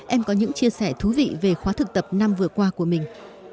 em có những chia sẻ thú vị về khóa thực tập năm vừa qua của mình